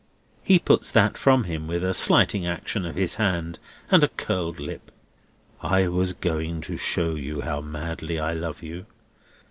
He puts that from him with a slighting action of his hand and a curled lip. "I was going to show you how madly I love you.